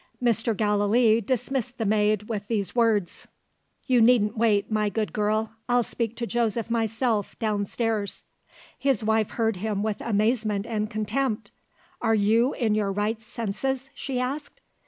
Mr. Gallilee dismissed the maid with these words: "You needn't wait, my good girl I'll speak to Joseph myself, downstairs." His wife heard him with amazement and contempt. "Are you in your right senses?" she asked.